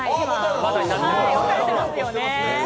分かれてますよね。